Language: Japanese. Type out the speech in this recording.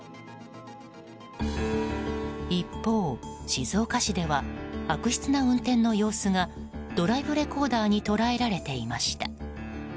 一方、静岡市では悪質な運転の様子がドライブレコーダーに捉えられていました。